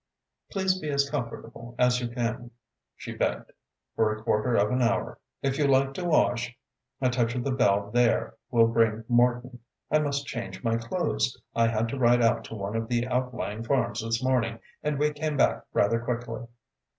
"Please be as comfortable as you can," she begged, "for a quarter of an hour. If you like to wash, a touch of the bell there will bring Morton. I must change my clothes. I had to ride out to one of the outlying farms this morning, and we came back rather quickly."